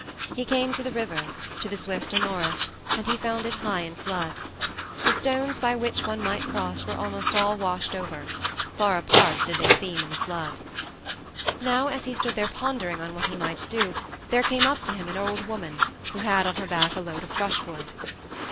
He came to the river, to the swift Anaurus, and he found it high in flood. The stones by which one might cross were almost all washed over; far apart did they seem in the flood. Now as he stood there pondering on what he might do there came up to him an old woman who had on her back a load of brushwood.